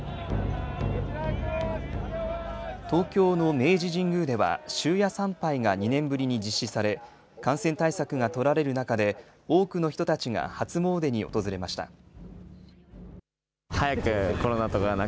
東京の明治神宮では、終夜参拝が２年ぶりに実施され、感染対策が取られる中で、多くの人たちが初詣に訪れました。